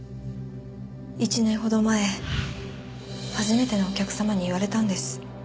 １年ほど前初めてのお客様に言われたんです。